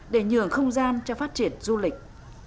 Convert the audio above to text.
để nhường không gian cho phát triển du lịch